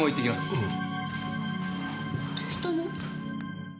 どうしたの？